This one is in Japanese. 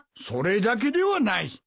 それだけではない。